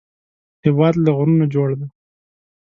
هېواد له غرونو جوړ دی